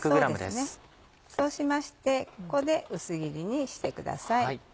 そうしましてここで薄切りにしてください。